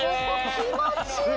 気持ちいい！